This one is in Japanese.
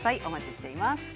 お待ちしています。